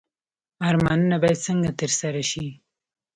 ارمانونه باید څنګه ترسره شي؟